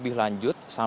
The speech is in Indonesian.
menggali lebih lanjut